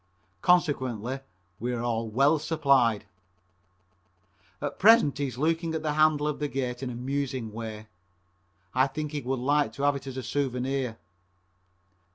Consequently we are well supplied. At present he's looking at the handle of the gate in a musing way. I think he would like to have it as a souvenir.